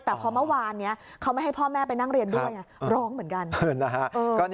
แต่พอเมื่อวานนี้เขาไม่ให้พ่อแม่ไปนั่งเรียนด้วยร้องเหมือนกัน